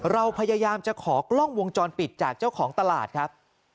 เราพยายามจะขอกล้องวงจรปิดจากเจ้าของตลาดครับ